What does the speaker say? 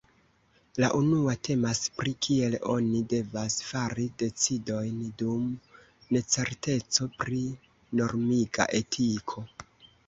La unua temas pri kiel oni devas fari decidojn dum necerteco pri normiga etiko.